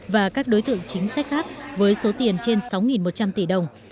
và các đối tượng chính sách khác với số tiền trên sáu một trăm linh tỷ đồng